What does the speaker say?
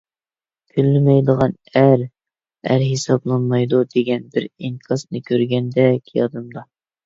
«كۈنلىمەيدىغان ئەر، ئەر ھېسابلانمايدۇ» دېگەن بىر ئىنكاسنى كۆرگەندەك يادىمدا.